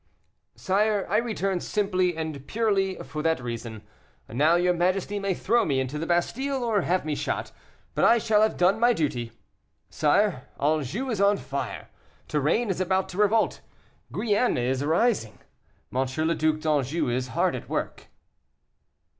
"Sire, I return simply and purely for that reason. Now, your majesty may throw me into the Bastile, or have me shot, but I shall have done my duty. Sire, Anjou is on fire; Touraine is about to revolt; Guienne is rising. M. le Duc d'Anjou is hard at work."